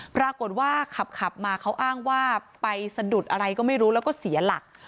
ปรากฏว่าขับมาเขาอ้างว่าไปสะดุดอะไรก็ไม่รู้แล้วก็เสียหลัก